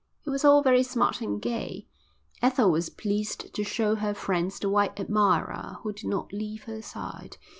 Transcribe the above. It was all very smart and gay. Ethel was pleased to show her friends the white admirer who did not leave her side.